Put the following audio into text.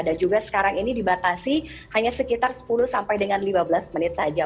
dan juga sekarang ini dibatasi hanya sekitar sepuluh sampai dengan lima belas menit saja